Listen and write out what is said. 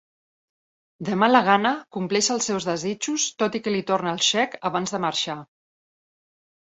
De mala gana, compleix els seus desitjos, tot i que li torna el xec abans de marxar.